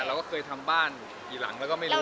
เราก็เคยทำบ้านกี่หลังเราก็ไม่รู้